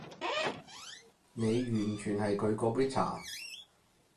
你完全係佢嗰杯茶